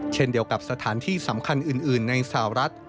เช่นเดียวกับสถานที่สำคัญอื่นในสหรัฐ